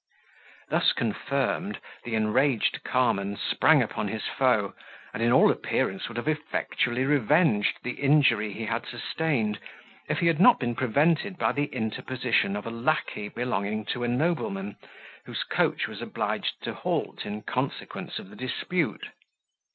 Thus confirmed, the enraged carman sprang upon his foe, and in all appearance would have effectually revenged the injury he had sustained, if he had not been prevented by the interposition of a lacquey belonging to a nobleman, whose coach was obliged to halt in consequence of the dispute.